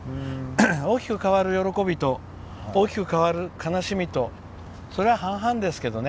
大きく変わる喜びと大きく変わる悲しみとそれは半々ですけどね。